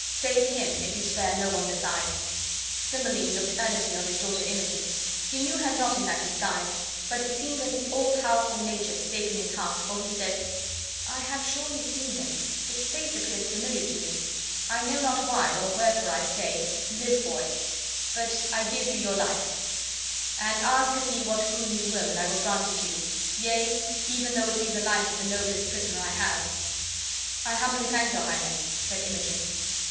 Save him, if you spare no one beside." Cymbeline looked earnestly on his daughter Imogen. He knew her not in that disguise; but it seemed that all powerful Nature spake in his heart, for he said: "I have surely seen him; his face appears familiar to me. I know not why or wherefore I say, live, boy, but I give you your life; and ask of me what boon you will and I will grant it you. Yea, even though it be the life of the noblest prisoner I have." "I humbly thank your Highness," said Imogen.